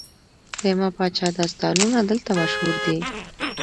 د یما پاچا داستانونه دلته مشهور دي